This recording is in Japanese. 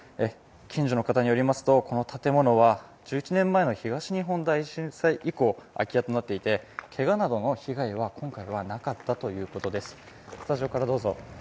近所の方によりますとこの建物は１１年前の東日本大震災以降空き家となっていて、けがなどの被害は今回はなかったということです。